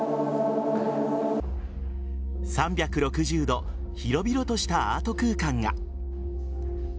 ３６０度広々としたアート空間が。